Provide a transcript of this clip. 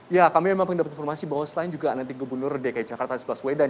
ya kami memang mendapat informasi bahwa selain juga nanti gubernur dki jakarta anies baswedan